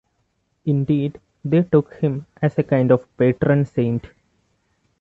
Indeed, they took him as a kind of patron saint.